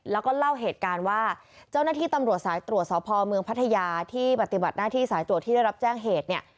แล้วก็เล่าเหตุการณ์ว่าเจ้าหน้าที่ตำรวจสายตรวจสพเมืองพัทยาที่ปฏิบัติหน้าที่สายตรวจที่ได้รับแจ้งเหตุเนี่ย